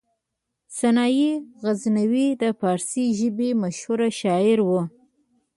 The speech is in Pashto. سنايي غزنوي د فارسي ژبې مشهور شاعر و.